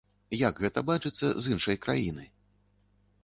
Як гэта бачыцца з іншай краіны?